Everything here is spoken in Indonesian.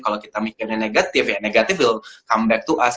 kalau kita mikirnya negatif ya negative will come back to us